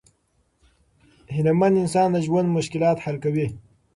هیله مند انسان د ژوند مشکلات حل کوي.